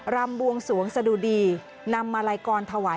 รำบวงสวงสะดุดีนำมาลัยกรถวาย